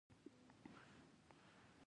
نوی لباس زړه راښکونکی وي